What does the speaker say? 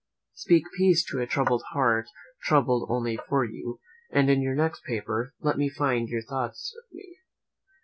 "Speak peace to a troubled heart, troubled only for you; and in your next paper, let me find your thoughts of me.